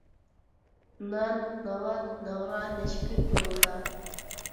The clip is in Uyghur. نان، ناۋات، ناغرا، نەشپۈت، نوتا.